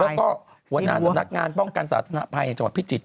แล้วก็หัวหน้าสำนักงานป้องกันสาธารณภัยอย่างจังหวัดพิจิตร